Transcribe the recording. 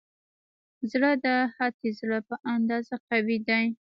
زړه د هاتي زړه په اندازه قوي دی.